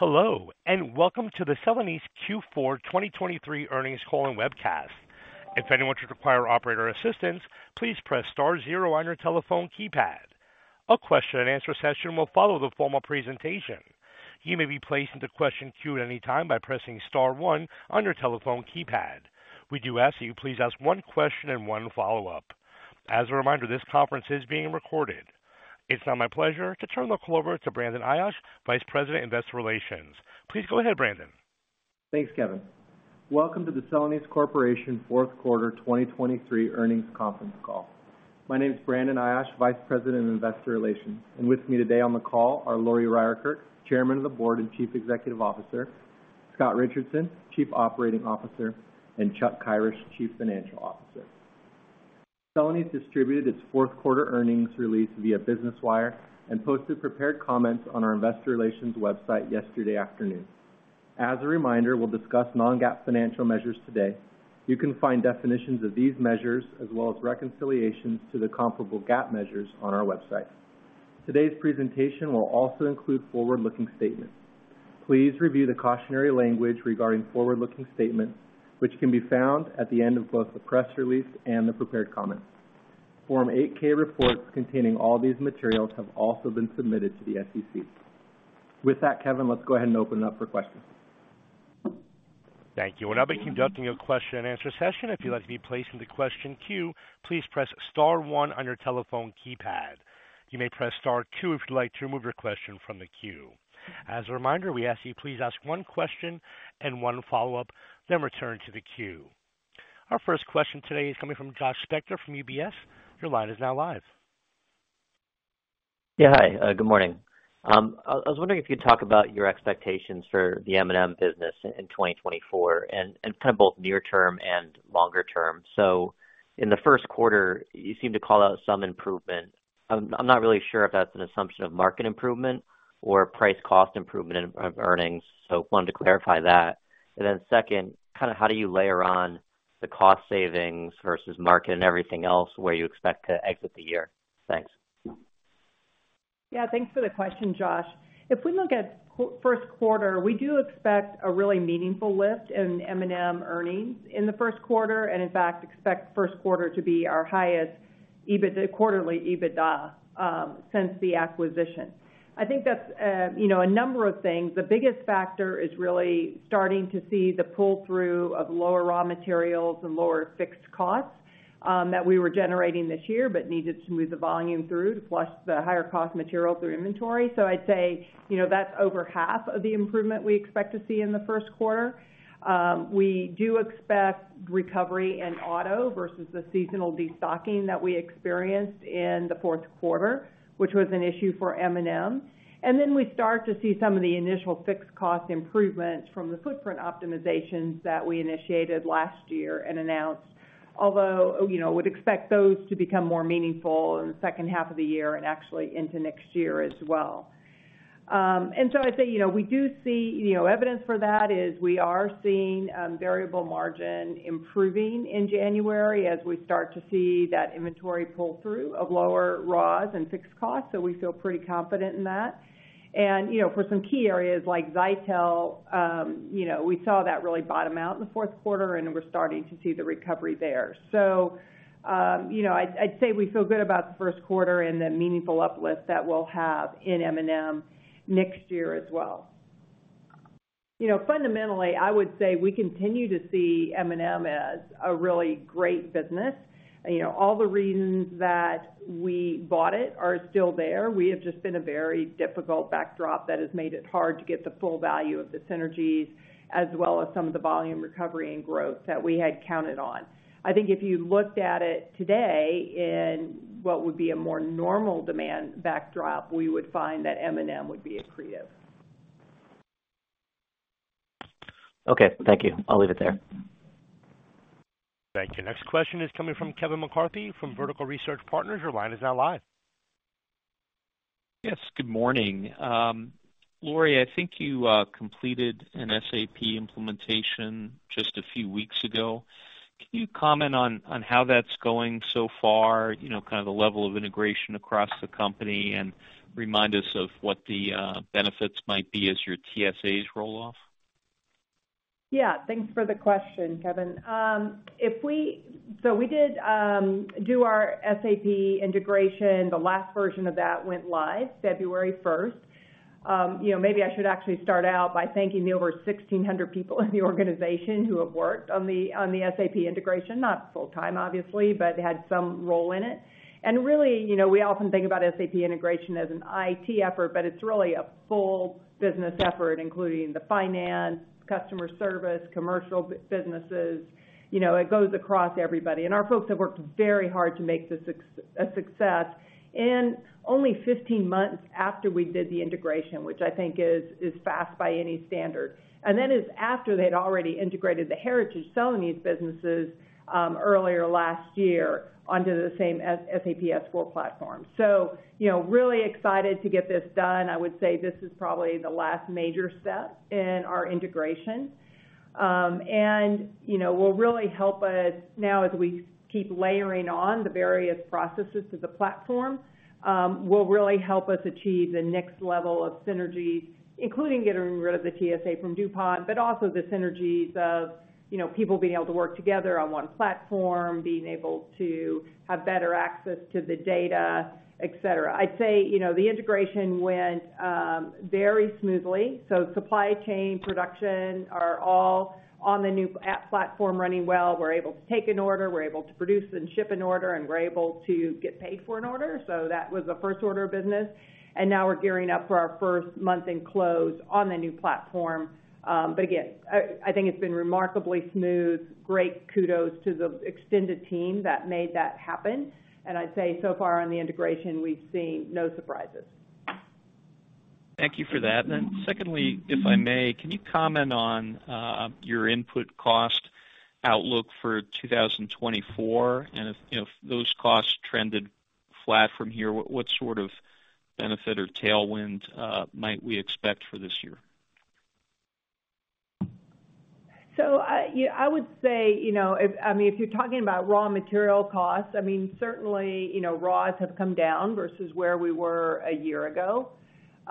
Hello, and welcome to the Celanese Q4 2023 earnings call and webcast. If anyone should require operator assistance, please press star zero on your telephone keypad. A question-and-answer session will follow the formal presentation. You may be placed into question queue at any time by pressing star one on your telephone keypad. We do ask that you please ask one question and one follow-up. As a reminder, this conference is being recorded. It's now my pleasure to turn the call over to Brandon Ayache, Vice President, Investor Relations. Please go ahead, Brandon. Thanks, Kevin. Welcome to the Celanese Corporation fourth quarter 2023 earnings conference call. My name is Brandon Ayache, Vice President of Investor Relations, and with me today on the call are Lori Ryerkerk, Chairman of the Board and Chief Executive Officer, Scott Richardson, Chief Operating Officer, and Chuck Kyrish, Chief Financial Officer. Celanese distributed its fourth quarter earnings release via Business Wire and posted prepared comments on our investor relations website yesterday afternoon. As a reminder, we'll discuss non-GAAP financial measures today. You can find definitions of these measures, as well as reconciliations to the comparable GAAP measures on our website. Today's presentation will also include forward-looking statements. Please review the cautionary language regarding forward-looking statements, which can be found at the end of both the press release and the prepared comments. Form 8-K reports containing all these materials have also been submitted to the SEC. With that, Kevin, let's go ahead and open it up for questions. Thank you. We're now conducting a question-and-answer session. If you'd like to be placed in the question queue, please press star one on your telephone keypad. You may press star two if you'd like to remove your question from the queue. As a reminder, we ask you, please ask one question and one follow-up, then return to the queue. Our first question today is coming from Josh Spector from UBS. Your line is now live. Yeah, hi. Good morning. I was wondering if you could talk about your expectations for the M&M business in 2024 and kind of both near term and longer term. So in the first quarter, you seem to call out some improvement. I'm not really sure if that's an assumption of market improvement or price cost improvement in of earnings. So wanted to clarify that. And then second, kind of how do you layer on the cost savings versus market and everything else, where you expect to exit the year? Thanks. Yeah, thanks for the question, Josh. If we look at first quarter, we do expect a really meaningful lift in M&M earnings in the first quarter, and in fact, expect first quarter to be our highest EBITDA, quarterly EBITDA, since the acquisition. I think that's, you know, a number of things. The biggest factor is really starting to see the pull-through of lower raw materials and lower fixed costs, that we were generating this year, but needed to move the volume through to flush the higher cost material through inventory. So I'd say, you know, that's over half of the improvement we expect to see in the first quarter. We do expect recovery in auto versus the seasonal destocking that we experienced in the fourth quarter, which was an issue for M&M. Then we start to see some of the initial fixed cost improvements from the footprint optimizations that we initiated last year and announced. Although, you know, would expect those to become more meaningful in the second half of the year and actually into next year as well. And so I'd say, you know, we do see, you know, evidence for that is we are seeing variable margin improving in January as we start to see that inventory pull through of lower raws and fixed costs. So we feel pretty confident in that. And, you know, for some key areas like Zytel, you know, we saw that really bottom out in the fourth quarter, and we're starting to see the recovery there. So, you know, I'd, I'd say we feel good about the first quarter and the meaningful uplift that we'll have in M&M next year as well. You know, fundamentally, I would say we continue to see M&M as a really great business. You know, all the reasons that we bought it are still there. We have just been a very difficult backdrop that has made it hard to get the full value of the synergies, as well as some of the volume recovery and growth that we had counted on. I think if you looked at it today in what would be a more normal demand backdrop, we would find that M&M would be accretive. Okay, thank you. I'll leave it there. Thank you. Next question is coming from Kevin McCarthy, from Vertical Research Partners. Your line is now live. Yes, good morning. Lori, I think you completed an SAP implementation just a few weeks ago. Can you comment on how that's going so far, you know, kind of the level of integration across the company, and remind us of what the benefits might be as your TSAs roll off? Yeah, thanks for the question, Kevin. If we... So we did do our SAP integration. The last version of that went live February first. You know, maybe I should actually start out by thanking the over 1,600 people in the organization who have worked on the, on the SAP integration. Not full-time, obviously, but had some role in it. And really, you know, we often think about SAP integration as an IT effort, but it's really a full business effort, including the finance, customer service, commercial businesses. You know, it goes across everybody, and our folks have worked very hard to make this a success. And only 15 months after we did the integration, which I think is fast by any standard. That is after they'd already integrated the heritage Celanese businesses earlier last year onto the same SAP S/4 platform. So you know, really excited to get this done. I would say this is probably the last major step in our integration. And you know, will really help us now as we keep layering on the various processes to the platform, will really help us achieve the next level of synergies, including getting rid of the TSA from DuPont, but also the synergies of, you know, people being able to work together on one platform, being able to have better access to the data, et cetera. I'd say, you know, the integration went very smoothly, so supply chain, production are all on the new SAP platform, running well. We're able to take an order, we're able to produce and ship an order, and we're able to get paid for an order. So that was the first order of business, and now we're gearing up for our first month in close on the new platform. But again, I think it's been remarkably smooth. Great kudos to the extended team that made that happen. And I'd say, so far on the integration, we've seen no surprises. ... Thank you for that. And then secondly, if I may, can you comment on your input cost outlook for 2024? And if those costs trended flat from here, what sort of benefit or tailwind might we expect for this year? So I, yeah, I would say, you know, if, I mean, if you're talking about raw material costs, I mean, certainly, you know, raws have come down versus where we were a year ago.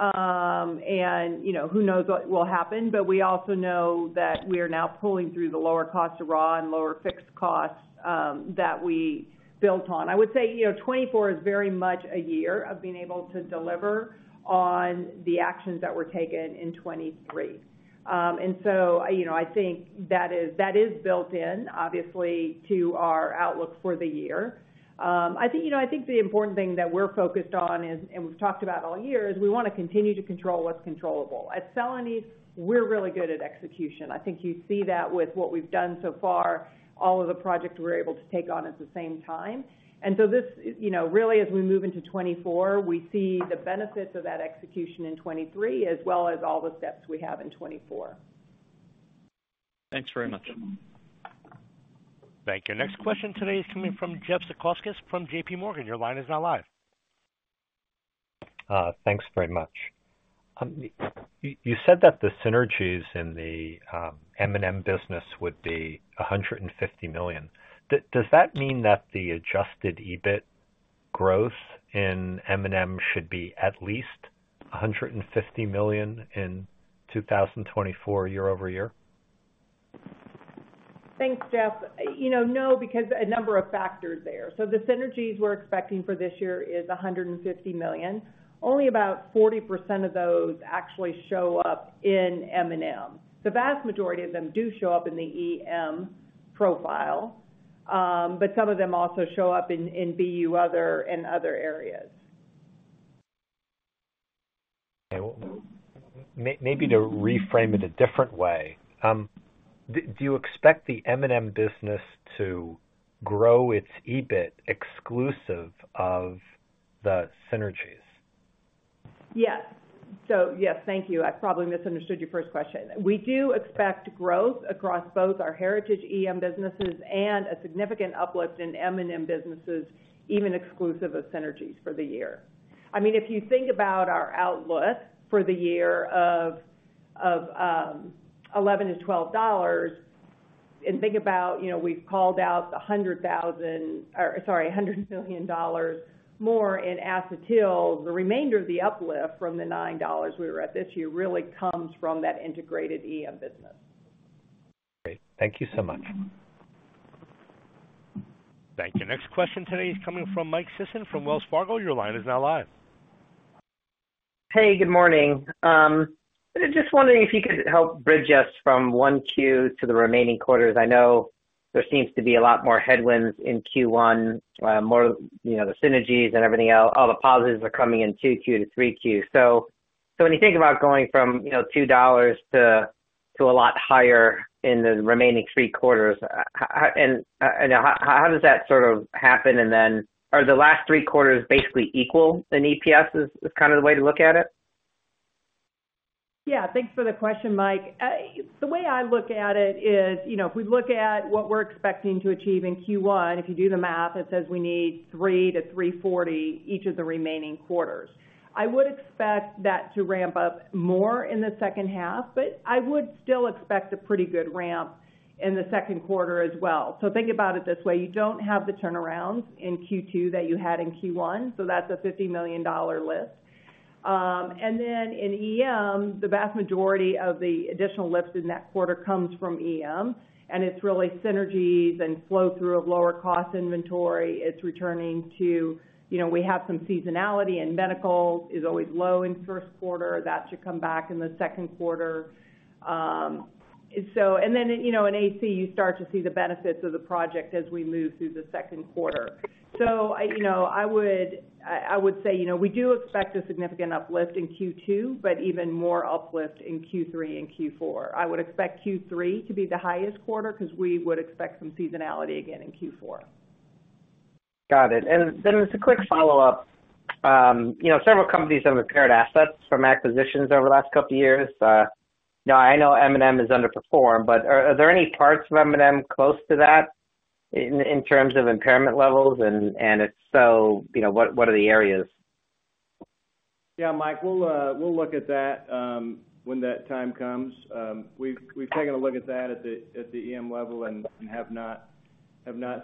And, you know, who knows what will happen, but we also know that we are now pulling through the lower cost of raw and lower fixed costs, that we built on. I would say, you know, 2024 is very much a year of being able to deliver on the actions that were taken in 2023. And so, you know, I think that is, that is built in, obviously, to our outlook for the year. I think, you know, I think the important thing that we're focused on and, and we've talked about all year, is we want to continue to control what's controllable. At Celanese, we're really good at execution. I think you see that with what we've done so far, all of the projects we're able to take on at the same time. And so this, you know, really, as we move into 2024, we see the benefits of that execution in 2023, as well as all the steps we have in 2024. Thanks very much. Thank you. Next question today is coming from Jeff Zekauskas from JPMorgan. Your line is now live. Thanks very much. You said that the synergies in the M&M business would be $150 million. Does that mean that the adjusted EBIT growth in M&M should be at least $150 million in 2024, year-over-year? Thanks, Jeff. You know, no, because a number of factors there. So the synergies we're expecting for this year is $150 million. Only about 40% of those actually show up in M&M. The vast majority of them do show up in the EM profile, but some of them also show up in BU other and other areas. Okay. Maybe to reframe it a different way, do you expect the M&M business to grow its EBIT exclusive of the synergies? Yes. So, yes, thank you. I probably misunderstood your first question. We do expect growth across both our heritage EM businesses and a significant uplift in M&M businesses, even exclusive of synergies for the year. I mean, if you think about our outlook for the year of $11-$12, and think about, you know, we've called out the hundred thousand, or sorry, $100 million more in acetyl, the remainder of the uplift from the $9 we were at this year really comes from that integrated EM business. Great. Thank you so much. Thank you. Next question today is coming from Mike Sison from Wells Fargo. Your line is now live. Hey, good morning. Just wondering if you could help bridge us from 1Q to the remaining quarters. I know there seems to be a lot more headwinds in Q1, more, you know, the synergies and everything else, all the positives are coming in Q2 to Q3. So when you think about going from, you know, $2 to a lot higher in the remaining 3 quarters, how, and how does that sort of happen? And then are the last 3 quarters basically equal in EPS, is kind of the way to look at it? Yeah, thanks for the question, Mike. The way I look at it is, you know, if we look at what we're expecting to achieve in Q1, if you do the math, it says we need 3-3.40 each of the remaining quarters. I would expect that to ramp up more in the second half, but I would still expect a pretty good ramp in the second quarter as well. So think about it this way, you don't have the turnarounds in Q2 that you had in Q1, so that's a $50 million lift. And then in EM, the vast majority of the additional lifts in that quarter comes from EM, and it's really synergies and flow through of lower cost inventory. It's returning to... You know, we have some seasonality, and medical is always low in first quarter. That should come back in the second quarter. So and then, you know, in AC, you start to see the benefits of the project as we move through the second quarter. So, you know, I would say, you know, we do expect a significant uplift in Q2, but even more uplift in Q3 and Q4. I would expect Q3 to be the highest quarter, because we would expect some seasonality again in Q4. Got it. And then just a quick follow-up. You know, several companies have impaired assets from acquisitions over the last couple of years. Now, I know M&M has underperformed, but are there any parts of M&M close to that in terms of impairment levels? And if so, you know, what are the areas? Yeah, Mike, we'll look at that when that time comes. We've taken a look at that at the EM level and have not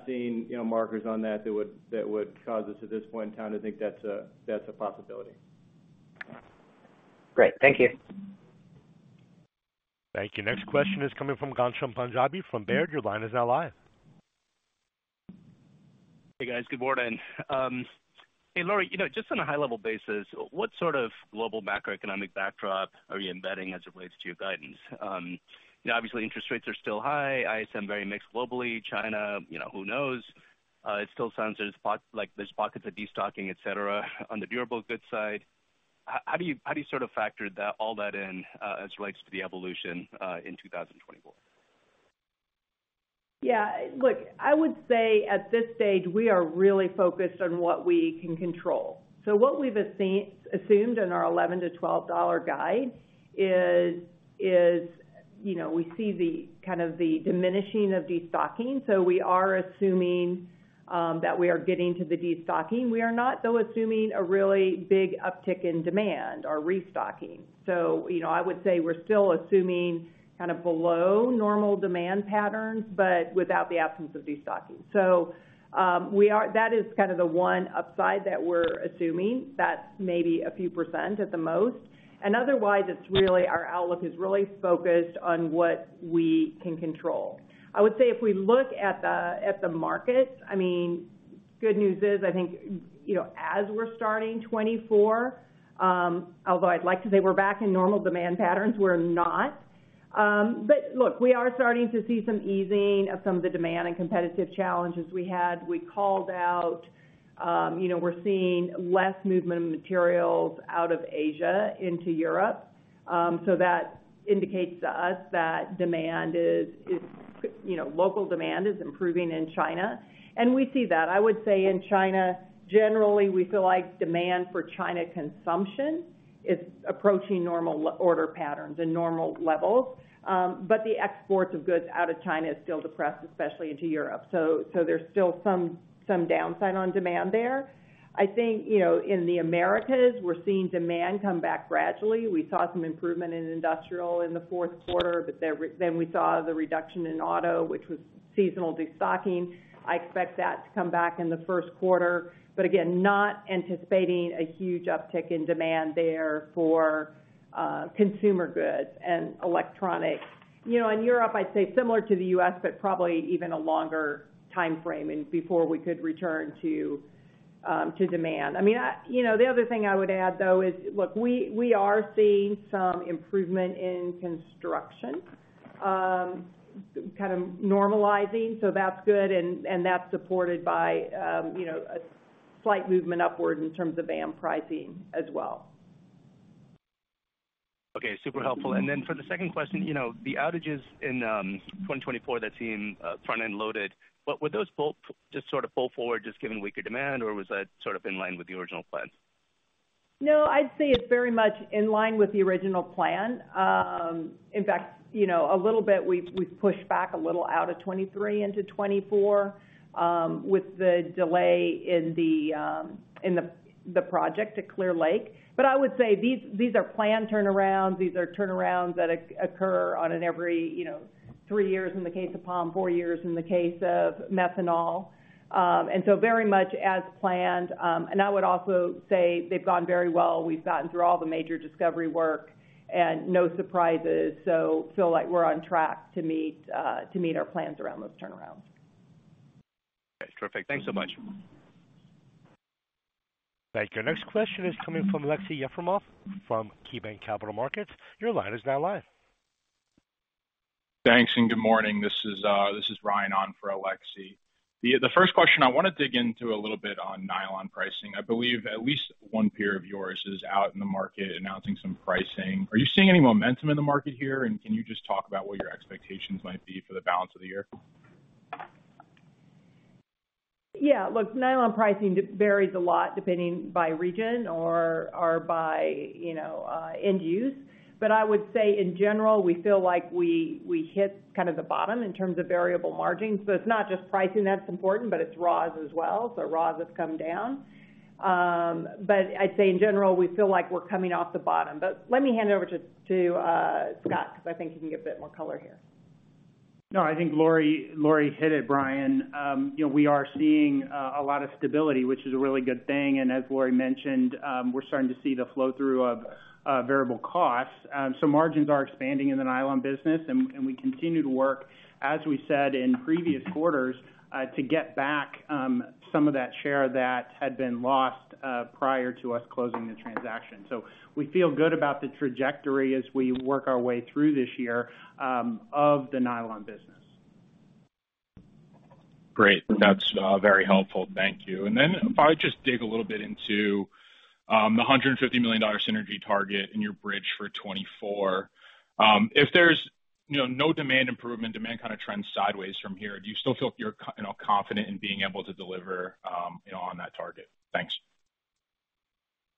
seen, you know, markers on that that would cause us at this point in time to think that's a possibility. Great. Thank you. Thank you. Next question is coming from Ghansham Panjabi from Baird. Your line is now live. Hey, guys. Good morning. Hey, Lori, you know, just on a high level basis, what sort of global macroeconomic backdrop are you embedding as it relates to your guidance? You know, obviously, interest rates are still high. ISM very mixed globally. China, you know, who knows? It still sounds like there's pockets of destocking, et cetera, on the durable goods side. How do you sort of factor that, all that in, as it relates to the evolution in 2024? Yeah, look, I would say at this stage, we are really focused on what we can control. So what we've assumed in our $11-$12 guide is, you know, we see the kind of the diminishing of destocking, so we are assuming that we are getting to the destocking. We are not, though, assuming a really big uptick in demand or restocking. So, you know, I would say we're still assuming kind of below normal demand patterns, but without the absence of destocking. So, we are—that is kind of the one upside that we're assuming. That's maybe a few % at the most. And otherwise, it's really our outlook is really focused on what we can control. I would say if we look at the market, I mean, good news is, I think, you know, as we're starting 2024, although I'd like to say we're back in normal demand patterns, we're not. But look, we are starting to see some easing of some of the demand and competitive challenges we had. We called out, you know, we're seeing less movement of materials out of Asia into Europe. So that indicates to us that demand is, you know, local demand is improving in China, and we see that. I would say in China, generally, we feel like demand for China consumption is approaching normal order patterns and normal levels. But the exports of goods out of China is still depressed, especially into Europe. So there's still some downside on demand there. I think, you know, in the Americas, we're seeing demand come back gradually. We saw some improvement in industrial in the fourth quarter, but there—then we saw the reduction in auto, which was seasonal destocking. I expect that to come back in the first quarter. But again, not anticipating a huge uptick in demand there for consumer goods and electronics. You know, in Europe, I'd say similar to the U.S., but probably even a longer timeframe and before we could return to, to demand. I mean, You know, the other thing I would add, though, is, look, we, we are seeing some improvement in construction, kind of normalizing, so that's good, and, and that's supported by, you know, a slight movement upward in terms of AM pricing as well. Okay, super helpful. And then for the second question, you know, the outages in 2024 that seem front-end loaded, but were those both just sort of pull forward, just given weaker demand, or was that sort of in line with the original plan? No, I'd say it's very much in line with the original plan. In fact, you know, a little bit, we've pushed back a little out of 2023 into 2024 with the delay in the project at Clear Lake. But I would say these are planned turnarounds. These are turnarounds that occur every, you know, 3 years in the case of POM, 4 years in the case of methanol. And so very much as planned. And I would also say they've gone very well. We've gotten through all the major discovery work and no surprises, so feel like we're on track to meet our plans around those turnarounds. Okay, terrific. Thanks so much. Thank you. Next question is coming from Alexei Yefremov, from KeyBanc Capital Markets. Your line is now live. Thanks, and good morning. This is Ryan on for Alexei. The first question, I want to dig into a little bit on nylon pricing. I believe at least one peer of yours is out in the market announcing some pricing. Are you seeing any momentum in the market here, and can you just talk about what your expectations might be for the balance of the year? Yeah, look, nylon pricing varies a lot depending by region or by, you know, end use. But I would say in general, we feel like we hit kind of the bottom in terms of variable margins. So it's not just pricing that's important, but it's raws as well. So raws has come down. But I'd say in general, we feel like we're coming off the bottom. But let me hand it over to Scott, because I think he can give a bit more color here. No, I think Lori, Lori hit it, Brian. You know, we are seeing a lot of stability, which is a really good thing, and as Lori mentioned, we're starting to see the flow-through of variable costs. So margins are expanding in the nylon business, and we continue to work, as we said in previous quarters, to get back some of that share that had been lost prior to us closing the transaction. So we feel good about the trajectory as we work our way through this year of the nylon business. Great. That's very helpful. Thank you. And then if I would just dig a little bit into the $150 million synergy target in your bridge for 2024. If there's, you know, no demand improvement, demand kind of trends sideways from here, do you still feel like you're confident in being able to deliver, you know, on that target? Thanks.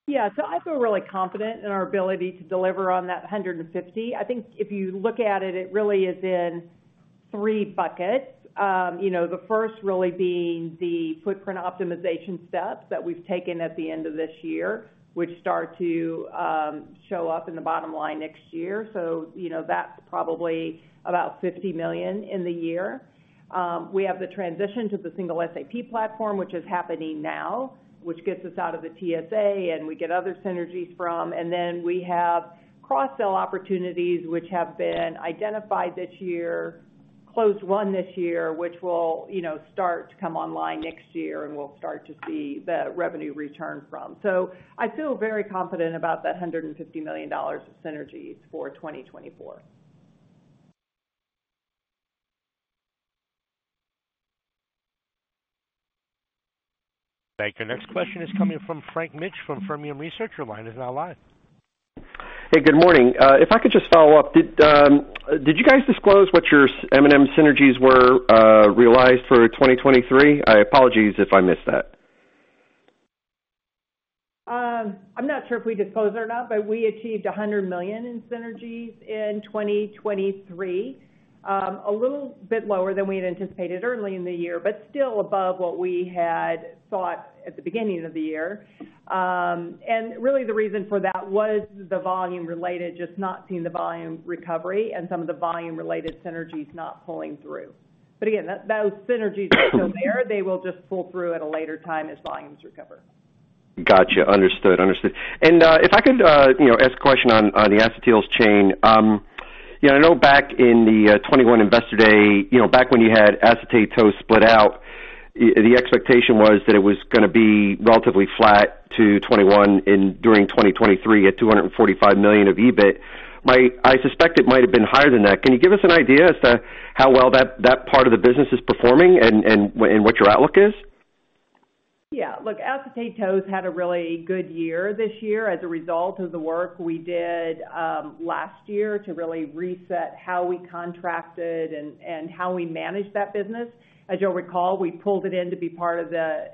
Yeah. So I feel really confident in our ability to deliver on that $150 million. I think if you look at it, it really is in 3 buckets. You know, the first really being the footprint optimization steps that we've taken at the end of this year, which start to show up in the bottom line next year. So you know, that's probably about $50 million in the year. We have the transition to the single SAP platform, which is happening now, which gets us out of the TSA, and we get other synergies from. And then we have cross-sell opportunities, which have been identified this year, closed 1 this year, which will, you know, start to come online next year, and we'll start to see the revenue return from. I feel very confident about that $150 million of synergies for 2024. Thank you. Next question is coming from Frank Mitsch from Fermium Research. Your line is now live. Hey, good morning. If I could just follow up, did you guys disclose what your M&M synergies were realized for 2023? I apologize if I missed that. I'm not sure if we disclosed it or not, but we achieved $100 million in synergies in 2023. A little bit lower than we had anticipated early in the year, but still above what we had thought at the beginning of the year. And really the reason for that was the volume related, just not seeing the volume recovery and some of the volume-related synergies not pulling through. But again, those synergies are still there. They will just pull through at a later time as volumes recover. Gotcha. Understood, understood. And, if I could, you know, ask a question on the Acetyl Chain. Yeah, I know back in the 2021 Investor Day, you know, back when you had Acetate Tow split out, the expectation was that it was gonna be relatively flat to 2021 in during 2023 at $245 million of EBIT. I suspect it might have been higher than that. Can you give us an idea as to how well that part of the business is performing and what your outlook is? Yeah, look, Acetate Tow has had a really good year this year as a result of the work we did last year to really reset how we contracted and, and how we managed that business. As you'll recall, we pulled it in to be part of the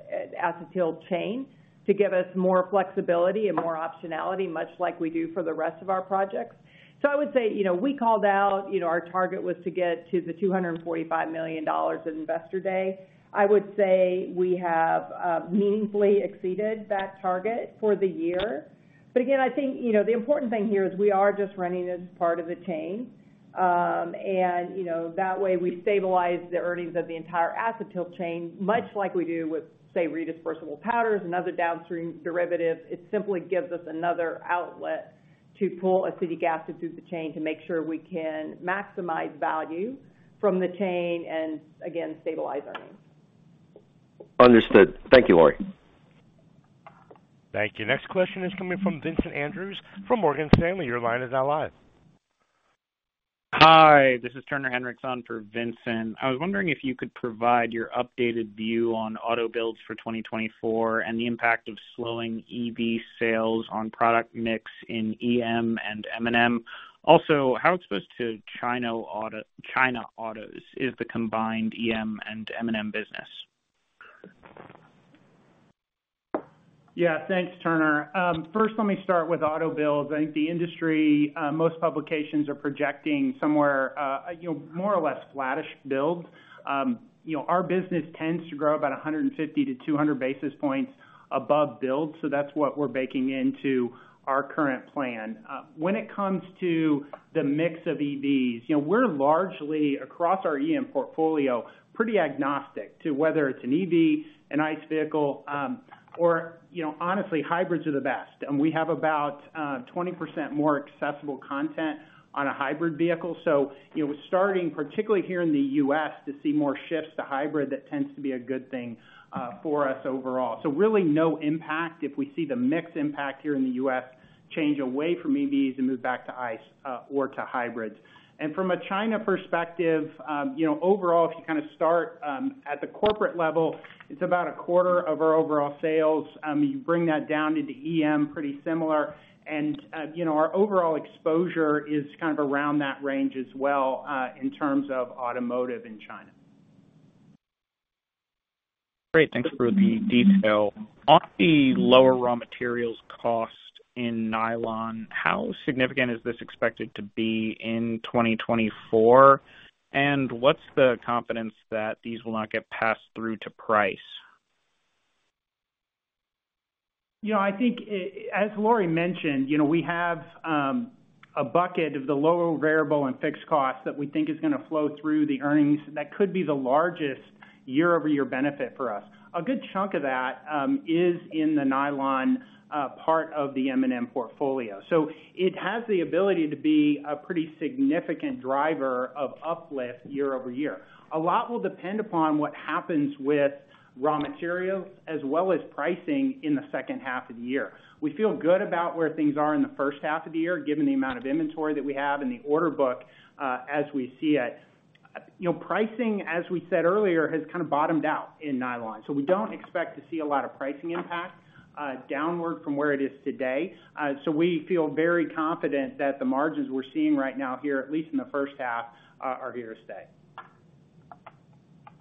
acetyl chain to give us more flexibility and more optionality, much like we do for the rest of our projects. So I would say, you know, we called out, you know, our target was to get to the $245 million at Investor Day. I would say we have meaningfully exceeded that target for the year. But again, I think, you know, the important thing here is we are just running as part of the chain. And, you know, that way, we stabilize the earnings of the entire Acetyl Chain, much like we do with, say, redispersible Powders and other downstream derivatives. It simply gives us another outlet to pull acetic acid through the chain to make sure we can maximize value from the chain and again, stabilize earnings. Understood. Thank you, Lori. Thank you. Next question is coming from Vincent Andrews from Morgan Stanley. Your line is now live. Hi, this is Turner Henrikson for Vincent. I was wondering if you could provide your updated view on auto builds for 2024 and the impact of slowing EV sales on product mix in EM and M&M. Also, how exposed to China auto- China autos is the combined EM and M&M business? Yeah, thanks, Turner. First, let me start with auto builds. I think the industry, most publications are projecting somewhere, you know, more or less flattish build. You know, our business tends to grow about 150-200 basis points above build, so that's what we're baking into our current plan. When it comes to the mix of EVs, you know, we're largely, across our EM portfolio, pretty agnostic to whether it's an EV, an ICE vehicle, or, you know, honestly, hybrids are the best. And we have about, 20% more accessible content on a hybrid vehicle. So you know, we're starting, particularly here in the U.S., to see more shifts to hybrid. That tends to be a good thing, for us overall. So really no impact if we see the mix impact here in the U.S. change away from EVs and move back to ICE, or to hybrids. And from a China perspective, you know, overall, if you kind of start at the corporate level, it's about a quarter of our overall sales. You bring that down into EM, pretty similar. And, you know, our overall exposure is kind of around that range as well, in terms of automotive in China. Great, thanks for the detail. On the lower raw materials cost in nylon, how significant is this expected to be in 2024? And what's the confidence that these will not get passed through to price? You know, I think, as Lori mentioned, you know, we have a bucket of the lower variable and fixed costs that we think is gonna flow through the earnings. That could be the largest year-over-year benefit for us. A good chunk of that is in the nylon part of the M&M portfolio. So it has the ability to be a pretty significant driver of uplift year-over-year. A lot will depend upon what happens with raw materials as well as pricing in the second half of the year. We feel good about where things are in the first half of the year, given the amount of inventory that we have in the order book, as we see it. You know, pricing, as we said earlier, has kind of bottomed out in nylon, so we don't expect to see a lot of pricing impact, downward from where it is today. So we feel very confident that the margins we're seeing right now here, at least in the first half, are here to stay.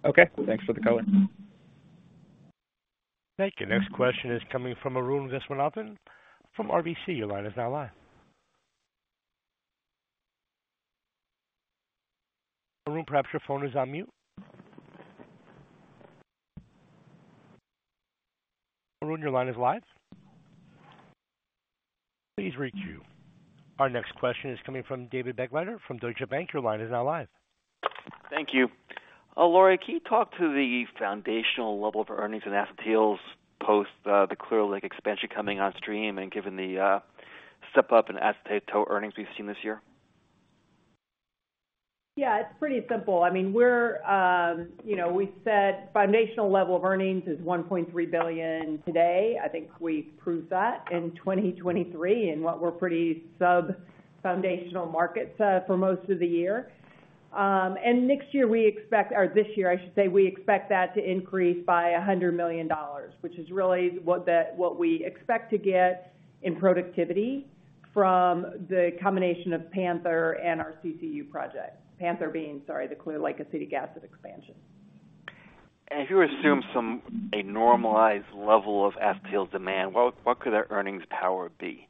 Okay, thanks for the color. Thank you. Next question is coming from Arun Viswanathan from RBC. Your line is now live. Arun, perhaps your phone is on mute. Arun, your line is live. Please re-cue. Our next question is coming from David Begleiter from Deutsche Bank. Your line is now live. Thank you. Lori, can you talk to the foundational level of earnings and acetyls post the Clear Lake expansion coming on stream and given the step up in Acetate Tow earnings we've seen this year? Yeah, it's pretty simple. I mean, we're, you know, we said foundational level of earnings is $1.3 billion today. I think we proved that in 2023 in what were pretty sub-foundational markets for most of the year. And next year, we expect, or this year, I should say, we expect that to increase by $100 million, which is really what the, what we expect to get in productivity from the combination of Panther and our CCU project. Panther being, sorry, the Clear Lake acetic acid expansion. If you assume a normalized level of acetyl demand, what could their earnings power be?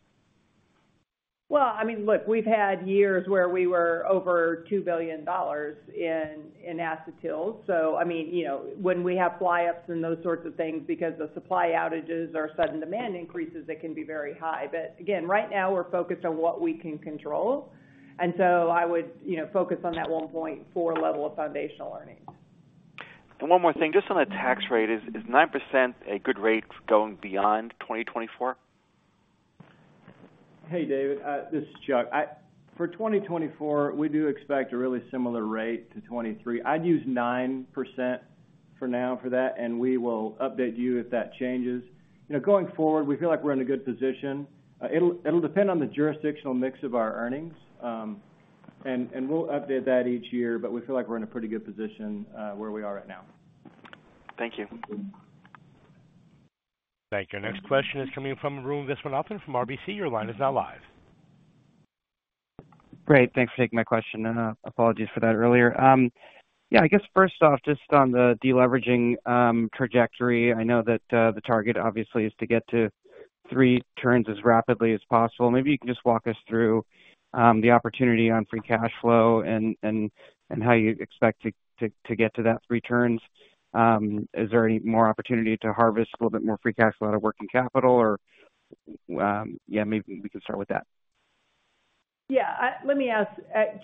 Well, I mean, look, we've had years where we were over $2 billion in acetyl. So I mean, you know, when we have fly-ups and those sorts of things, because the supply outages or sudden demand increases, it can be very high. But again, right now, we're focused on what we can control, and so I would, you know, focus on that 1.4 level of foundational earnings. One more thing, just on the tax rate, is 9% a good rate going beyond 2024? Hey, David, this is Chuck. For 2024, we do expect a really similar rate to 2023. I'd use 9% for now for that, and we will update you if that changes. You know, going forward, we feel like we're in a good position. It'll depend on the jurisdictional mix of our earnings. And we'll update that each year, but we feel like we're in a pretty good position where we are right now. Thank you. Thank you. Our next question is coming in from Arun Visawanathan from RBC. Your line is now live. Great. Thanks for taking my question, and, apologies for that earlier. Yeah, I guess first off, just on the deleveraging trajectory, I know that the target obviously is to get to three turns as rapidly as possible. Maybe you can just walk us through the opportunity on free cash flow and how you expect to get to that three turns. Is there any more opportunity to harvest a little bit more free cash flow out of working capital? Or, yeah, maybe we can start with that. Yeah, let me ask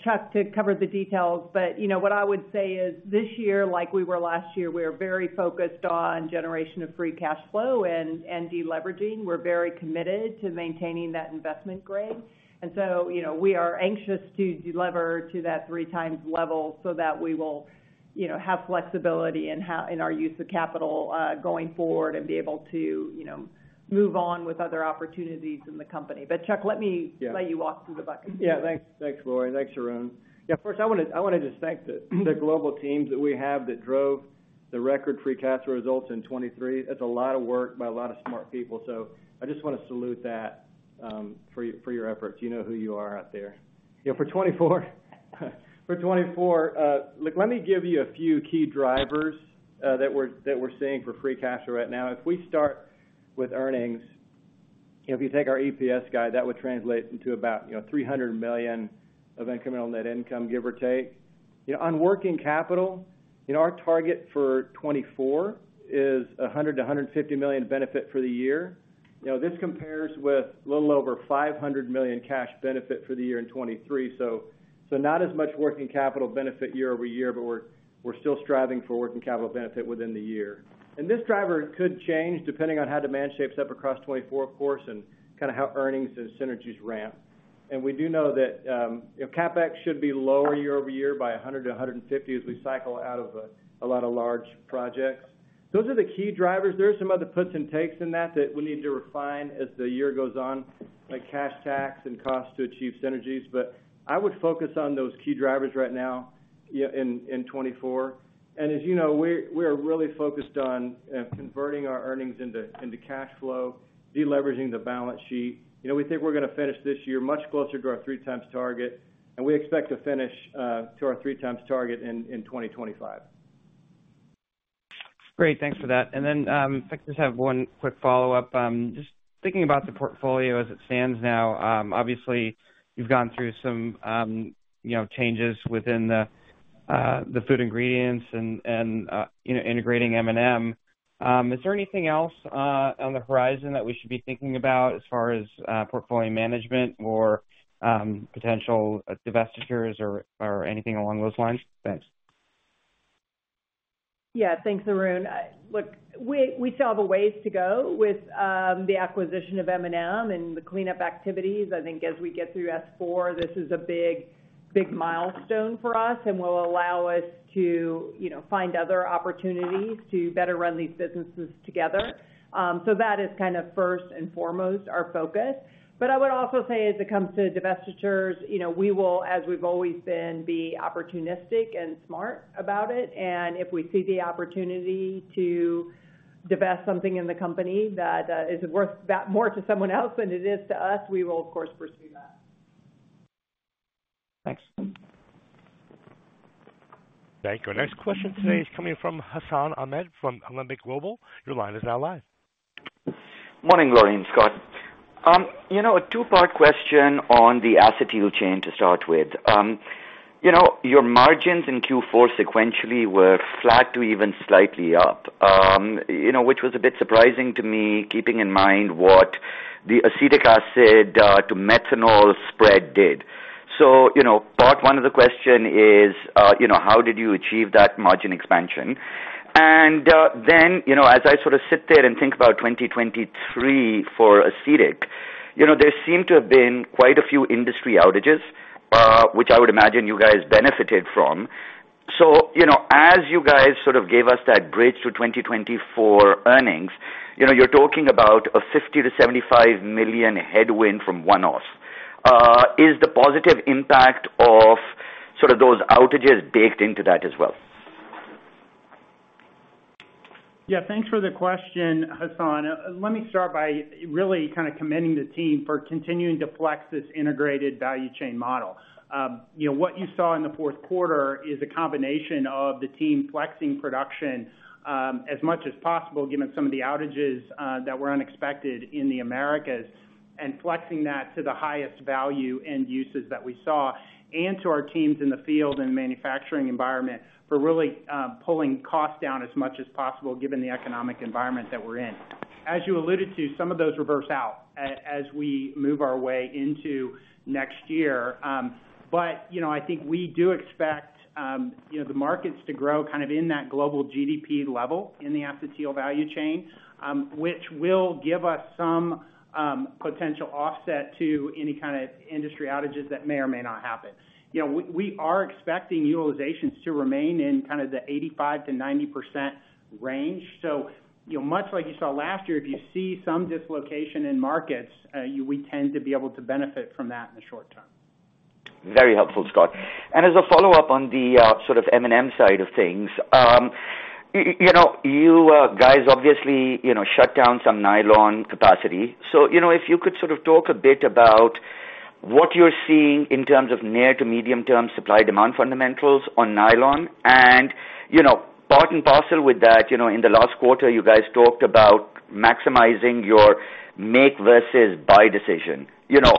Chuck to cover the details. But, you know, what I would say is, this year, like we were last year, we are very focused on generation of free cash flow and deleveraging. We're very committed to maintaining that investment grade, and so, you know, we are anxious to delever to that three times level so that we will, you know, have flexibility in our use of capital, going forward and be able to, you know, move on with other opportunities in the company. But Chuck, let me- Yeah. Let you walk through the buckets. Yeah, thanks. Thanks, Laurie. Thanks, Arun. Yeah, first, I wanna, I wanna just thank the, the global teams that we have that drove the record free cash results in 2023. That's a lot of work by a lot of smart people. So I just wanna salute that for your, for your efforts. You know who you are out there. Yeah, for 2024, for 2024, look, let me give you a few key drivers that we're, that we're seeing for free cash flow right now. If we start with earnings, if you take our EPS guide, that would translate into about, you know, $300 million of incremental net income, give or take. You know, on working capital, you know, our target for 2024 is $100-$150 million benefit for the year. You know, this compares with a little over $500 million cash benefit for the year in 2023, so not as much working capital benefit year-over-year, but we're still striving for working capital benefit within the year. And this driver could change, depending on how demand shapes up across 2024, of course, and kind of how earnings and synergies ramp. And we do know that, you know, CapEx should be lower year-over-year by $100 million-$150 million as we cycle out of a lot of large projects. Those are the key drivers. There are some other puts and takes in that that we need to refine as the year goes on, like cash tax and cost to achieve synergies. But I would focus on those key drivers right now, yeah, in 2024. As you know, we are really focused on converting our earnings into cash flow, deleveraging the balance sheet. You know, we think we're gonna finish this year much closer to our 3x target, and we expect to finish to our 3x target in 2025. Great. Thanks for that. And then, I just have one quick follow-up. Just thinking about the portfolio as it stands now, obviously, you've gone through some, you know, changes within the food ingredients and, you know, integrating M&M. Is there anything else on the horizon that we should be thinking about as far as portfolio management or potential divestitures or anything along those lines? Thanks. Yeah, thanks, Arun. Look, we still have a ways to go with the acquisition of M&M and the cleanup activities. I think as we get through S4, this is a big, big milestone for us and will allow us to, you know, find other opportunities to better run these businesses together. So that is kind of first and foremost our focus. But I would also say as it comes to divestitures, you know, we will, as we've always been, be opportunistic and smart about it, and if we see the opportunity to divest something in the company that is worth that more to someone else than it is to us, we will, of course, pursue that. Thanks. Thank you. Our next question today is coming from Hassan Ahmed from Alembic Global. Your line is now live. Morning, Lori and Scott. You know, a two-part question on the Acetyl Chain to start with. You know, your margins in Q4 sequentially were flat to even slightly up, you know, which was a bit surprising to me, keeping in mind what the acetic acid to methanol spread did. So, you know, part one of the question is, you know, how did you achieve that margin expansion? And, then, you know, as I sort of sit there and think about 2023 for acetic, you know, there seemed to have been quite a few industry outages, which I would imagine you guys benefited from. So, you know, as you guys sort of gave us that bridge to 2024 earnings, you know, you're talking about a $50 million-$75 million headwind from one-offs. Is the positive impact of sort of those outages baked into that as well? Yeah, thanks for the question, Hassan. Let me start by really kind of commending the team for continuing to flex this integrated value chain model. You know, what you saw in the fourth quarter is a combination of the team flexing production, as much as possible, given some of the outages, that were unexpected in the Americas, and flexing that to the highest value end uses that we saw, and to our teams in the field and manufacturing environment for really, pulling costs down as much as possible, given the economic environment that we're in. As you alluded to, some of those reverse out as we move our way into next year. But, you know, I think we do expect, you know, the markets to grow kind of in that global GDP level in the Acetyl value chain, which will give us some potential offset to any kind of industry outages that may or may not happen. You know, we are expecting utilizations to remain in kind of the 85%-90% range. So, you know, much like you saw last year, if you see some dislocation in markets, we tend to be able to benefit from that in the short term. Very helpful, Scott. As a follow-up on the sort of M&M side of things, you know, you guys, obviously, you know, shut down some nylon capacity. So, you know, if you could sort of talk a bit about what you're seeing in terms of near to medium term supply-demand fundamentals on nylon and, you know, part and parcel with that, you know, in the last quarter, you guys talked about maximizing your make versus buy decision. You know,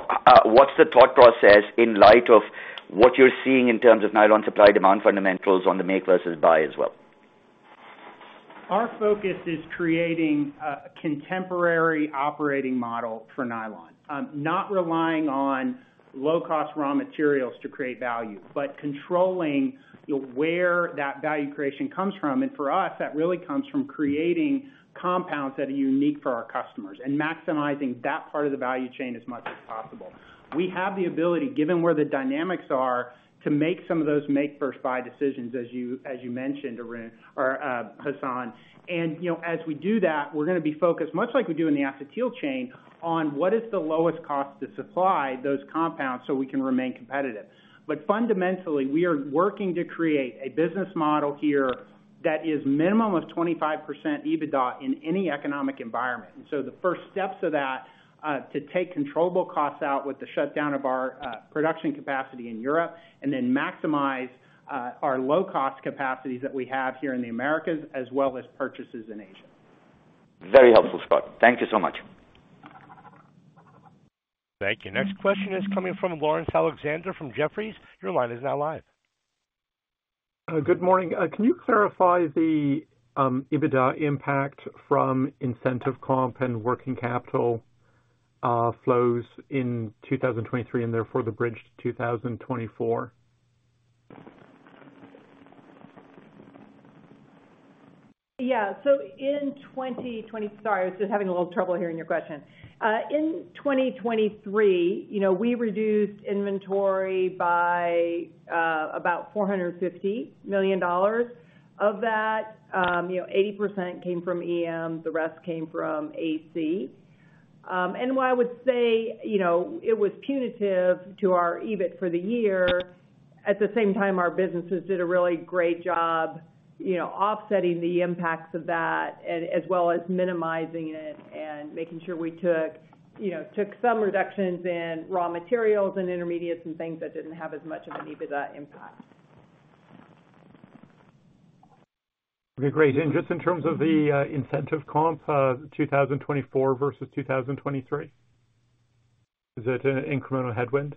what's the thought process in light of what you're seeing in terms of nylon supply-demand fundamentals on the make versus buy as well? Our focus is creating a contemporary operating model for nylon. Not relying on low-cost raw materials to create value, but controlling, you know, where that value creation comes from. And for us, that really comes from creating compounds that are unique for our customers and maximizing that part of the value chain as much as possible. We have the ability, given where the dynamics are, to make some of those make versus buy decisions, as you mentioned, Arun or Hassan. And, you know, as we do that, we're gonna be focused, much like we do in the acetyl chain, on what is the lowest cost to supply those compounds so we can remain competitive. But fundamentally, we are working to create a business model here that is minimum of 25% EBITDA in any economic environment. And so the first steps of that, to take controllable costs out with the shutdown of our production capacity in Europe, and then maximize our low-cost capacities that we have here in the Americas, as well as purchases in Asia. Very helpful, Scott. Thank you so much. Thank you. Next question is coming from Laurence Alexander from Jefferies. Your line is now live. Good morning. Can you clarify the EBITDA impact from incentive comp and working capital flows in 2023, and therefore, the bridge to 2024? Yeah. So, sorry, I was just having a little trouble hearing your question. In 2023, you know, we reduced inventory by about $450 million. Of that, you know, 80% came from EM, the rest came from AC. And while I would say, you know, it was punitive to our EBIT for the year, at the same time, our businesses did a really great job, you know, offsetting the impacts of that, as well as minimizing it and making sure we took, you know, took some reductions in raw materials and intermediates and things that didn't have as much of an EBITDA impact. Okay, great. And just in terms of the incentive comp, 2024 versus 2023, is it an incremental headwind?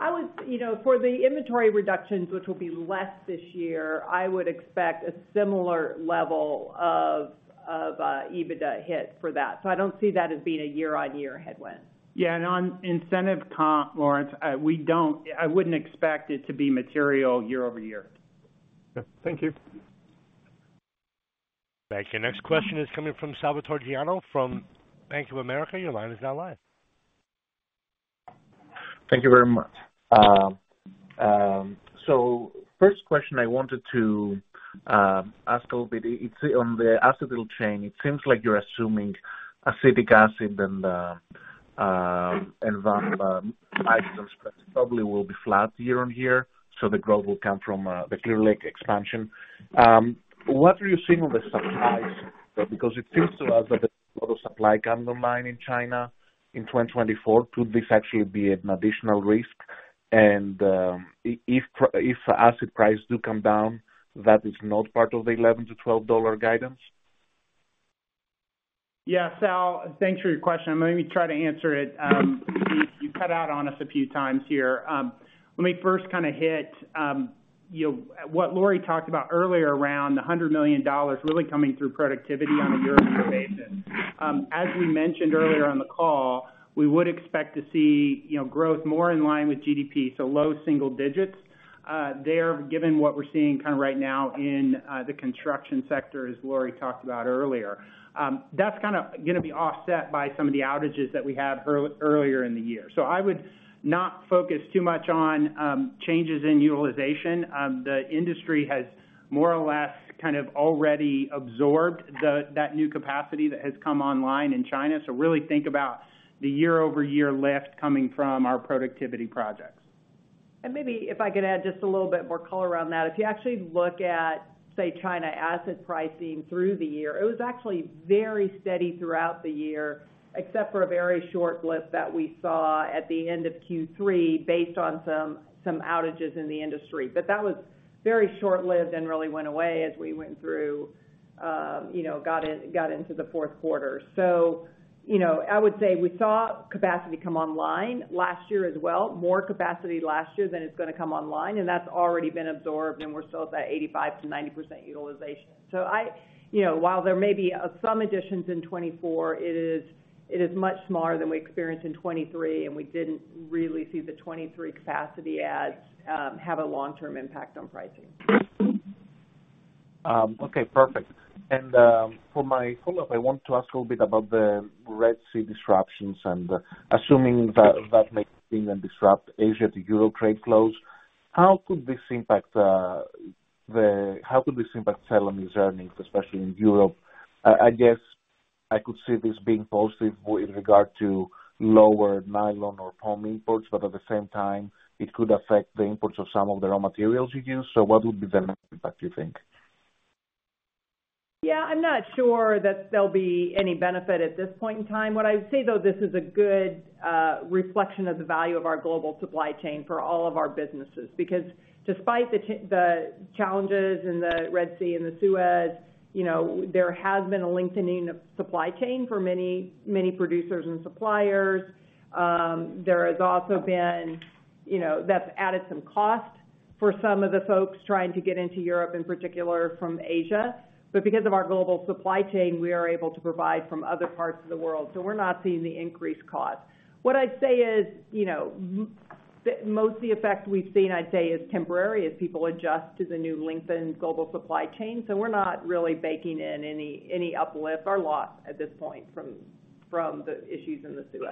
I would, you know, for the inventory reductions, which will be less this year, I would expect a similar level of EBITDA hit for that, so I don't see that as being a year-on-year headwind. Yeah, and on incentive comp, Lawrence, we don't... I wouldn't expect it to be material year-over-year. Okay. Thank you. Thank you. Next question is coming from Salvator Tiano from Bank of America. Your line is now live. Thank you very much. So first question I wanted to ask a little bit, it's on the Acetyl Chain. It seems like you're assuming Acetic Acid and VAM probably will be flat year-on-year, so the growth will come from the Clear Lake expansion. What are you seeing on the supplies? Because it seems to us that there's a lot of supply coming online in China in 2024. Could this actually be an additional risk? And if acid prices do come down, that is not part of the $11-$12 guidance? Yeah, Sal, thanks for your question. Let me try to answer it. You cut out on us a few times here. Let me first kind of hit, you know, what Lori talked about earlier around the $100 million really coming through productivity on a year-over-year basis. As we mentioned earlier on the call, we would expect to see, you know, growth more in line with GDP, so low single digits there, given what we're seeing kind of right now in the construction sector, as Lori talked about earlier. That's kind of gonna be offset by some of the outages that we had earlier in the year. So I would not focus too much on changes in utilization. The industry has more or less kind of already absorbed that new capacity that has come online in China. Really think about the year-over-year lift coming from our productivity projects.... And maybe if I could add just a little bit more color around that. If you actually look at, say, China acetic acid pricing through the year, it was actually very steady throughout the year, except for a very short blip that we saw at the end of Q3, based on some outages in the industry. But that was very short-lived and really went away as we went through, you know, got into the fourth quarter. So, you know, I would say we saw capacity come online last year as well, more capacity last year than is going to come online, and that's already been absorbed, and we're still at that 85%-90% utilization. So, you know, while there may be some additions in 2024, it is much smaller than we experienced in 2023, and we didn't really see the 2023 capacity adds have a long-term impact on pricing. Okay, perfect. And for my follow-up, I want to ask a little bit about the Red Sea disruptions, and assuming that that may seem to disrupt Asia to Europe trade flows, how could this impact the—how could this impact Celanese earnings, especially in Europe? I guess I could see this being positive in regard to lower nylon or POM imports, but at the same time, it could affect the imports of some of the raw materials you use. So what would be the net impact, do you think? Yeah, I'm not sure that there'll be any benefit at this point in time. What I'd say, though, this is a good reflection of the value of our global supply chain for all of our businesses, because despite the challenges in the Red Sea and the Suez, you know, there has been a lengthening of supply chain for many, many producers and suppliers. There has also been, you know, that's added some cost for some of the folks trying to get into Europe, in particular from Asia. But because of our global supply chain, we are able to provide from other parts of the world, so we're not seeing the increased cost. What I'd say is, you know, most of the effect we've seen, I'd say, is temporary as people adjust to the new lengthened global supply chain. We're not really baking in any uplift or loss at this point from the issues in the Suez.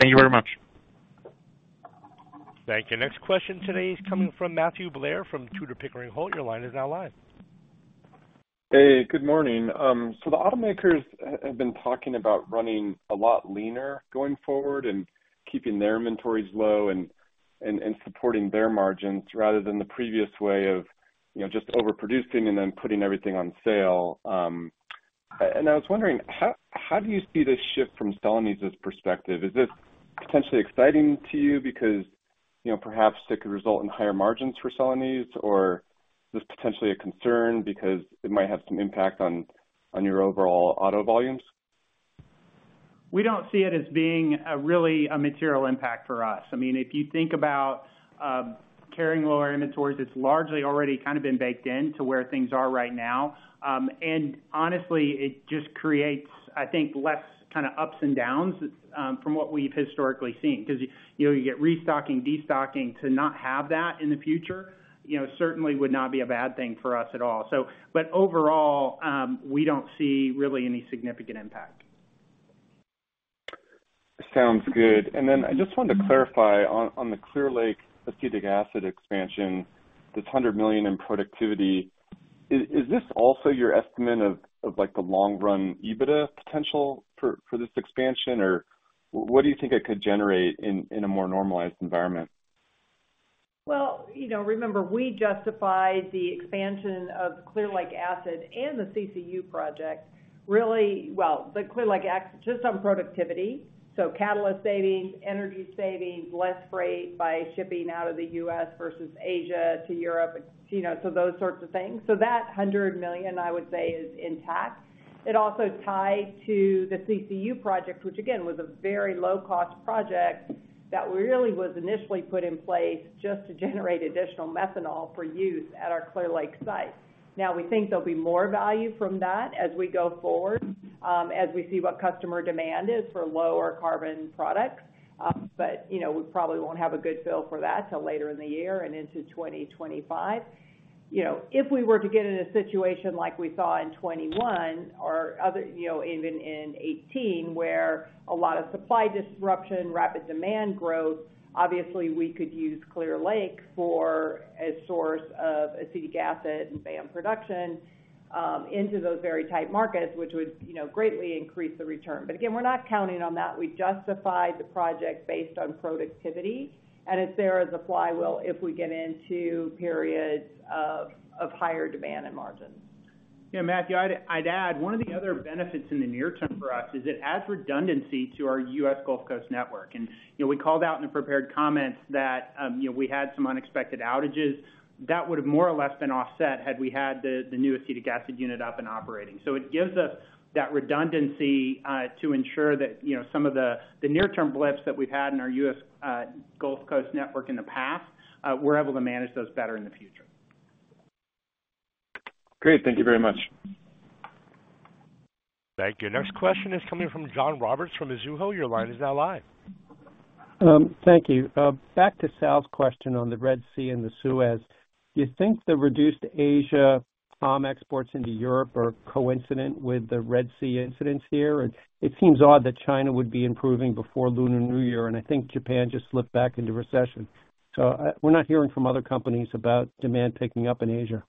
Thank you very much. Thank you. Next question today is coming from Matthew Blair from Tudor, Pickering, Holt. Your line is now live. Hey, good morning. So the automakers have been talking about running a lot leaner going forward and keeping their inventories low and supporting their margins, rather than the previous way of, you know, just overproducing and then putting everything on sale. And I was wondering, how do you see this shift from Celanese's perspective? Is this potentially exciting to you because, you know, perhaps it could result in higher margins for Celanese, or is this potentially a concern because it might have some impact on your overall auto volumes? We don't see it as being a really material impact for us. I mean, if you think about carrying lower inventories, it's largely already kind of been baked in to where things are right now. And honestly, it just creates, I think, less kind of ups and downs from what we've historically seen, because, you know, you get restocking, destocking. To not have that in the future, you know, certainly would not be a bad thing for us at all. So but overall, we don't see really any significant impact. Sounds good. And then I just wanted to clarify on the Clear Lake acetic acid expansion, this $100 million in productivity, is this also your estimate of, like, the long run EBITDA potential for this expansion? Or what do you think it could generate in a more normalized environment? Well, you know, remember, we justified the expansion of Clear Lake acid and the CCU project really. Well, the Clear Lake acid just on productivity, so catalyst savings, energy savings, less freight by shipping out of the U.S. versus Asia to Europe, you know, so those sorts of things. So that $100 million, I would say, is intact. It also tied to the CCU project, which again, was a very low-cost project that really was initially put in place just to generate additional methanol for use at our Clear Lake site. Now, we think there'll be more value from that as we go forward, as we see what customer demand is for lower carbon products. But, you know, we probably won't have a good feel for that till later in the year and into 2025. You know, if we were to get in a situation like we saw in 2021 or other, you know, even in 2018, where a lot of supply disruption, rapid demand growth, obviously, we could use Clear Lake for a source of acetic acid and VAM production into those very tight markets, which would, you know, greatly increase the return. But again, we're not counting on that. We justified the project based on productivity, and it's there as a flywheel if we get into periods of higher demand and margins. Yeah, Matthew, I'd add, one of the other benefits in the near term for us is it adds redundancy to our U.S. Gulf Coast network. And, you know, we called out in the prepared comments that, you know, we had some unexpected outages. That would have more or less been offset had we had the new acetic acid unit up and operating. So it gives us that redundancy to ensure that, you know, some of the near-term blips that we've had in our U.S. Gulf Coast network in the past, we're able to manage those better in the future. Great. Thank you very much. Thank you. Next question is coming from John Roberts from Mizuho. Your line is now live. Thank you. Back to Sal's question on the Red Sea and the Suez, do you think the reduced Asia palm exports into Europe are coincident with the Red Sea incidents here? It seems odd that China would be improving before Lunar New Year, and I think Japan just slipped back into recession. So, we're not hearing from other companies about demand picking up in Asia. ...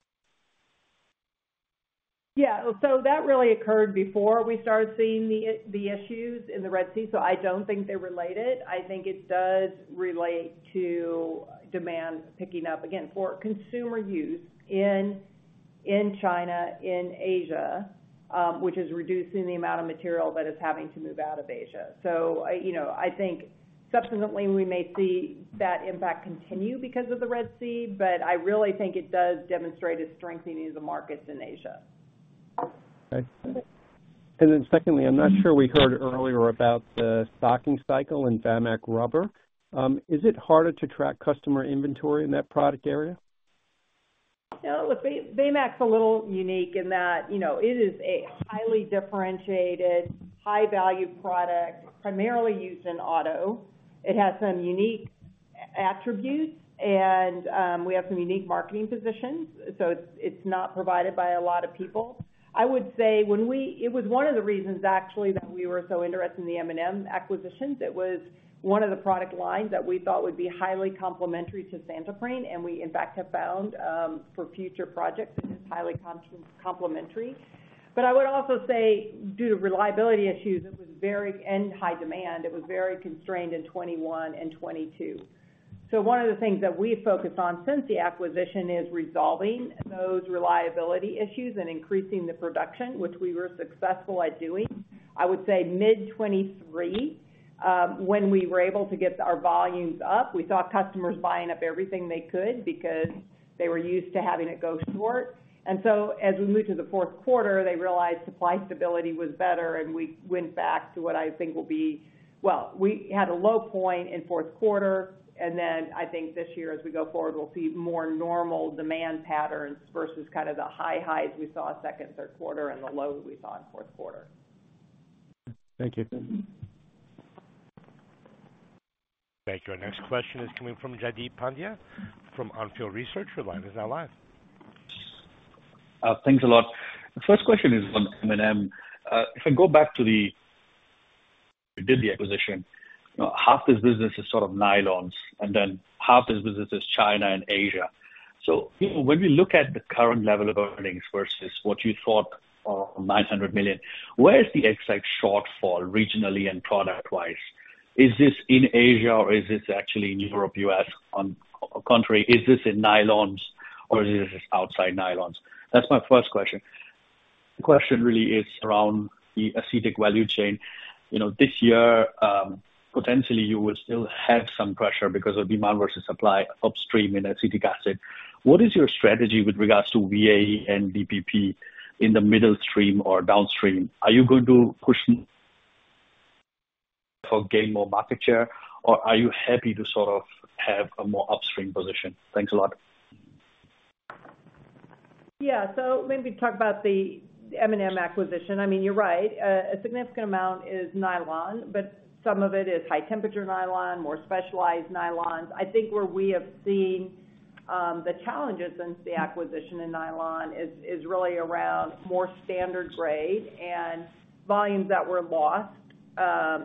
Yeah, so that really occurred before we started seeing the, the issues in the Red Sea, so I don't think they're related. I think it does relate to demand picking up again for consumer use in, in China, in Asia, which is reducing the amount of material that is having to move out of Asia. So I, you know, I think subsequently we may see that impact continue because of the Red Sea, but I really think it does demonstrate a strengthening of the markets in Asia. Okay. And then secondly, I'm not sure we heard earlier about the stocking cycle in Vamac rubber. Is it harder to track customer inventory in that product area? No, look, Vamac's a little unique in that, you know, it is a highly differentiated, high-value product, primarily used in auto. It has some unique attributes, and we have some unique marketing positions, so it's, it's not provided by a lot of people. I would say, it was one of the reasons actually, that we were so interested in the M&M acquisitions. It was one of the product lines that we thought would be highly complementary to Santoprene, and we in fact have found, for future projects, it's highly complementary. But I would also say, due to reliability issues, it was very in high demand. It was very constrained in 2021 and 2022. So one of the things that we focused on since the acquisition is resolving those reliability issues and increasing the production, which we were successful at doing. I would say mid-2023, when we were able to get our volumes up, we saw customers buying up everything they could because they were used to having it go short. And so as we moved to the fourth quarter, they realized supply stability was better, and we went back to what I think will be... Well, we had a low point in fourth quarter, and then I think this year, as we go forward, we'll see more normal demand patterns versus kind of the high highs we saw second, third quarter and the low we saw in fourth quarter. Thank you. Thank you. Our next question is coming from Jaideep Pandya from Onfield Research. Your line is now live. Thanks a lot. The first question is on M&M. If I go back to the acquisition you did, half this business is sort of nylons, and then half this business is China and Asia. So when we look at the current level of earnings versus what you thought of $900 million, where is the exact shortfall regionally and product-wise? Is this in Asia, or is this actually in Europe, U.S., on the contrary, is this in nylons or is this outside nylons? That's my first question. The question really is around the acetyl value chain. You know, this year, potentially you will still have some pressure because of demand versus supply upstream in acetic acid. What is your strategy with regards to VAE and RDP in the midstream or downstream? Are you going to push for gain more market share, or are you happy to sort of have a more upstream position? Thanks a lot. Yeah, so let me talk about the M&M acquisition. I mean, you're right, a significant amount is nylon, but some of it is high temperature nylon, more specialized nylons. I think where we have seen the challenges since the acquisition in nylon is really around more standard grade and volumes that were lost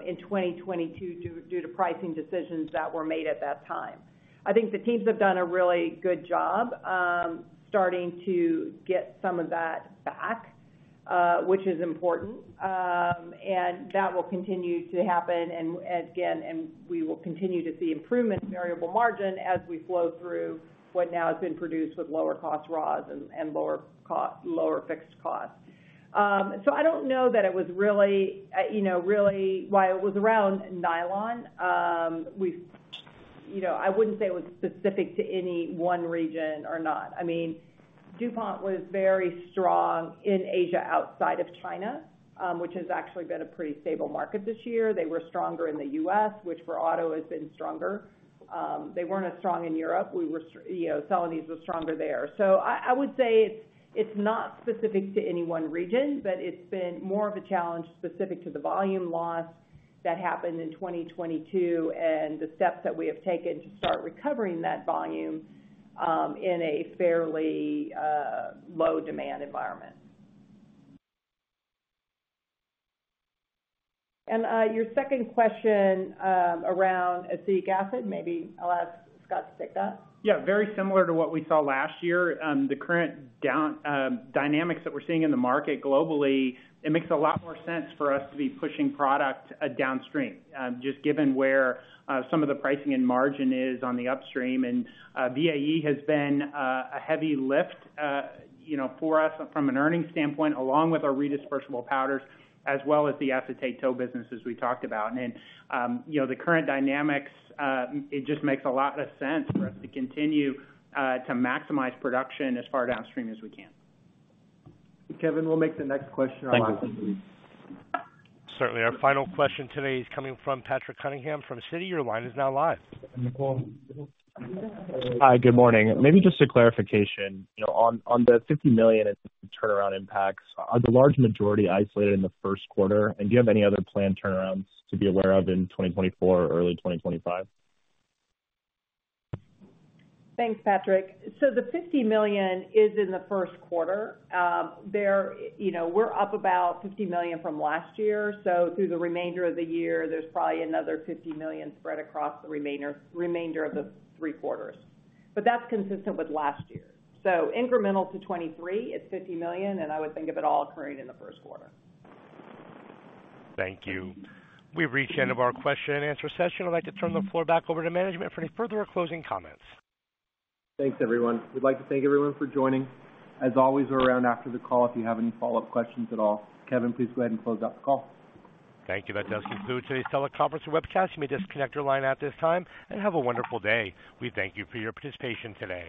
in 2022, due to pricing decisions that were made at that time. I think the teams have done a really good job starting to get some of that back, which is important. And that will continue to happen. And, again, we will continue to see improvement in variable margin as we flow through what now has been produced with lower cost raws and lower cost - lower fixed costs. So I don't know that it was really, you know, really why it was around nylon. You know, I wouldn't say it was specific to any one region or not. I mean, DuPont was very strong in Asia, outside of China, which has actually been a pretty stable market this year. They were stronger in the US, which for auto, has been stronger. They weren't as strong in Europe. We were, you know, some of these were stronger there. So I, I would say it's, it's not specific to any one region, but it's been more of a challenge specific to the volume loss that happened in 2022 and the steps that we have taken to start recovering that volume, in a fairly low demand environment. And your second question, around acetic acid. Maybe I'll ask Scott to take that. Yeah, very similar to what we saw last year. The current down dynamics that we're seeing in the market globally, it makes a lot more sense for us to be pushing product downstream, just given where some of the pricing and margin is on the upstream. And VAE has been a heavy lift, you know, for us from an earnings standpoint, along with our Redispersible Powders, as well as the Acetate Tow businesses we talked about. And you know, the current dynamics, it just makes a lot of sense for us to continue to maximize production as far downstream as we can. Kevin, we'll make the next question our last one. Thank you. Certainly. Our final question today is coming from Patrick Cunningham from Citi. Your line is now live. Nicole. Hi, good morning. Maybe just a clarification, you know, on the $50 million turnaround impacts, are the large majority isolated in the first quarter? And do you have any other planned turnarounds to be aware of in 2024 or early 2025? Thanks, Patrick. So the $50 million is in the first quarter. You know, we're up about $50 million from last year, so through the remainder of the year, there's probably another $50 million spread across the remainder of the three quarters. But that's consistent with last year. So incremental to 2023, it's $50 million, and I would think of it all occurring in the first quarter. Thank you. We've reached the end of our question and answer session. I'd like to turn the floor back over to management for any further closing comments. Thanks, everyone. We'd like to thank everyone for joining. As always, we're around after the call if you have any follow-up questions at all. Kevin, please go ahead and close out the call. Thank you. That does conclude today's teleconference and webcast. You may disconnect your line at this time and have a wonderful day. We thank you for your participation today.